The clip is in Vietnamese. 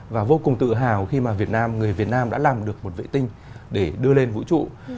và vô cùng tự hào khi mà việt nam người việt nam đã làm được một vệ tinh để đưa lên vũ trụ